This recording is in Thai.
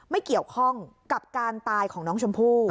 ไม่เกี่ยวข้องกับการตายของน้องชมพู่